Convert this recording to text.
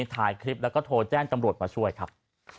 ถ่ายคลิปแล้วก็โทรแจ้งตำรวจมาช่วยครับ